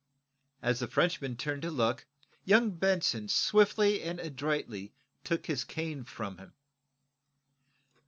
As the Frenchman turned to look, young Benson swiftly and adroitly took his cane from him.